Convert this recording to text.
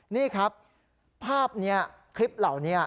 นี่ครับภาพนี้คลิปเหล่านี้